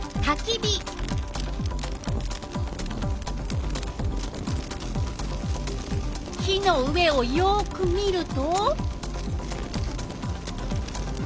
火の上をよく見ると。